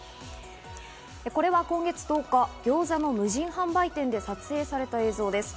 これは今月１０日、ギョーザの無人販売店で撮影された映像です。